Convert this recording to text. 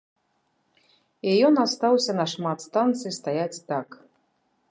І ён астаўся на шмат станцый стаяць так.